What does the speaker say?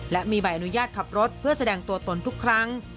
และมีใบอนุญาตขับรถเพื่อแสดงตัวตนทุกครั้ง